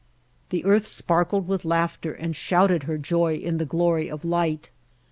The earth sparkled with laughter and shouted her joy in the glory of light.